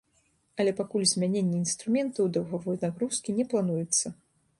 Але пакуль змяненне інструментаў даўгавой нагрузкі не плануецца.